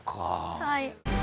はい。